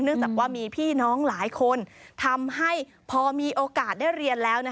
จากว่ามีพี่น้องหลายคนทำให้พอมีโอกาสได้เรียนแล้ว